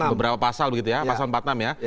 beberapa pasal begitu ya pasal empat puluh enam ya